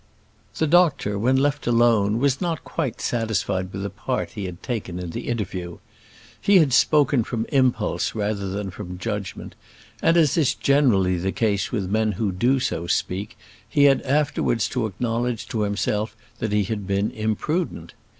The doctor, when left alone, was not quite satisfied with the part he had taken in the interview. He had spoken from impulse rather than from judgement, and, as is generally the case with men who do so speak, he had afterwards to acknowledge to himself that he had been imprudent.